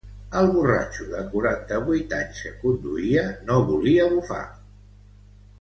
El borratxo de quaranta-vuit anys que conduïa no volia bufar.